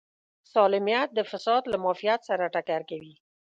سالمیت د فساد له معافیت سره ټکر کوي.